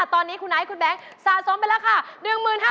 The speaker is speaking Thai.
ตอนนี้คุณไอซ์คุณแบงค์สะสมไปแล้วค่ะ